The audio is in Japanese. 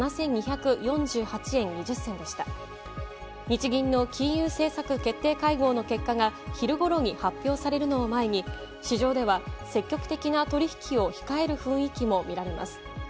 日銀の金融政策決定会合の結果が昼頃に発表されるのを前に、市場では積極的な取引を控える雰囲気も見られます。